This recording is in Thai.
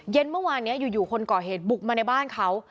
เมื่อวานนี้อยู่คนก่อเหตุบุกมาในบ้านเขา